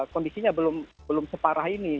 kondisinya belum separah ini